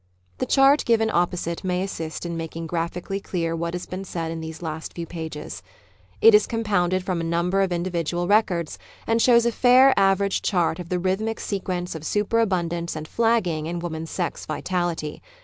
The chart given opposite may assist in making graphically clear what has been said in these last few pages. It is compounded from a number of indi vidual records, and shows a fair average chart of the rhythmic sequence of superabundance and flagging in woman's sex vitality.